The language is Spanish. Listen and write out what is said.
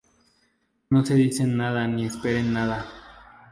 No se dicen nada ni esperan nada.